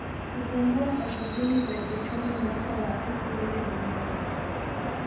Kupungua kwa shughuli za kiuchumi Mwaka wa elfumbili na moja